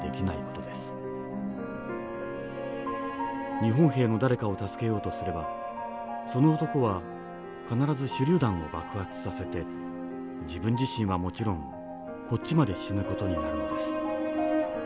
日本兵の誰かを助けようとすればその男は必ず手榴弾を爆発させて自分自身はもちろんこっちまで死ぬ事になるんです。